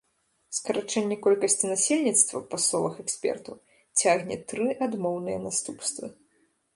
Скарачэнне колькасці насельніцтва, па словах экспертаў, цягне тры адмоўныя наступствы.